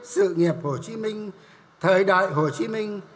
sự nghiệp hồ chí minh thời đại hồ chí minh